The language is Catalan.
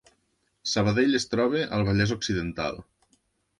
Sabadell es troba al Vallès Occidental